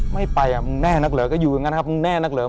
ไม่ไปมึงแน่นักเหลือก็อยู่อย่างนั้นครับ